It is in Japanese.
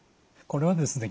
これはですね